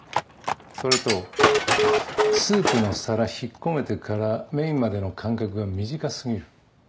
それとスープの皿引っ込めてからメインまでの間隔が短かすぎる。